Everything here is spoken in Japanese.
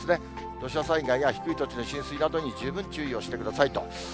土砂災害や低い土地の浸水などに十分注意をしてくださいと。